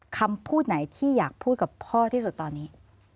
คำพูดไหนที่อยากพูดกับพ่อที่สุดตอนนี้